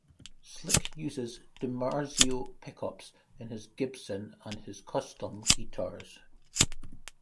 Slick uses DiMarzio pickups in his Gibson and his custom guitars.